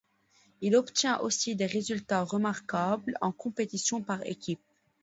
Il obtient aussi des résultats remarquables en compétition par équipe.